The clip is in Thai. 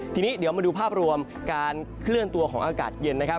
ทีนี้เดี๋ยวมาดูภาพรวมการเคลื่อนตัวของอากาศเย็นนะครับ